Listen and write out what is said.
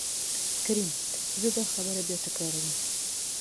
کريم :زه دا خبره بيا تکرار وم.